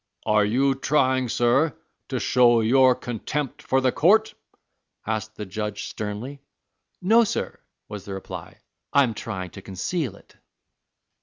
"Are you trying, sir, to show your contempt for the Court?" asked the judge, sternly. "No, sir," was the reply; "I am trying to conceal it."